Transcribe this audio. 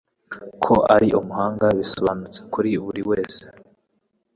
Ko ari umuhanga birasobanutse kuri buri wese.